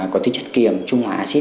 có tích chất kiềm trung hòa axit